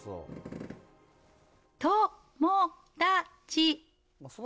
と・も・だ・ち。